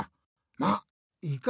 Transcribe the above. まっいいか。